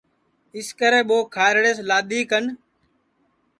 اِسکرے ٻو کھارڑیس لادؔی کن